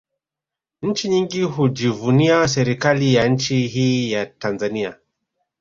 Nchi nyingi hujivunia serikali ya nchi hii ya Tanzania